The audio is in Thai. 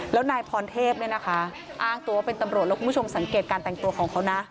แล้วนายพรเทพเนี่ยนะคะอ้างตัวว่าเป็นตำรวจแล้วคุณผู้ชมสังเกตการแต่งตัวของเขานะ